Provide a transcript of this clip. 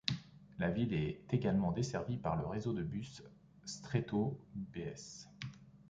La ville est également desservie par le réseau de bus Strætó bs.